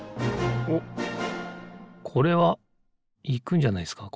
おっこれはいくんじゃないですか